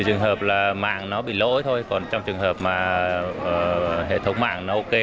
trường hợp là mạng nó bị lỗi thôi còn trong trường hợp mà hệ thống mạng nó ok